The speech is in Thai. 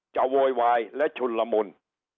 จะโวยวายและชุนละมนต์